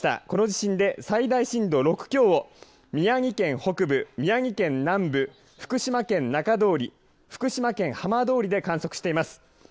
この地震で最大震度６強を宮城県北部、宮城県南部福島県中通り福島県浜通りで観測しています。